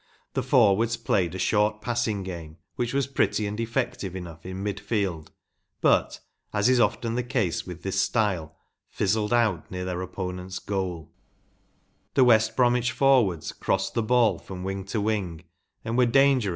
The forwards played a short'passing game, which was pretty and effective enough in mid field, but, as is often the case with this style, fizzled out near their opponents’ goal The West Bromwich forwards crossed the ball from wing to wing and were dangerous every A^TOn VILLA, &gj‚ÄĒTHIS TI.